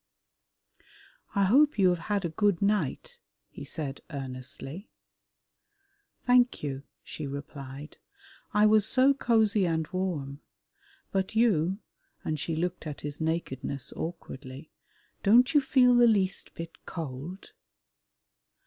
"I hope you have had a good night," he said earnestly. "Thank you," she replied, "I was so cosy and warm. But you" and she looked at his nakedness awkwardly "don't you feel the least bit cold?"